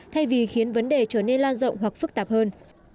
thay vì khiến vấn đề trở nên lan rộng hoặc phức tạp hơn